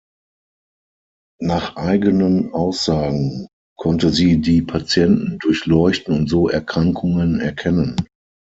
Nach eigenen Aussagen konnte sie die Patienten „durchleuchten“ und so Erkrankungen erkennen.